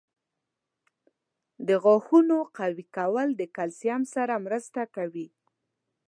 • د غاښونو قوي کول د کلسیم سره مرسته کوي.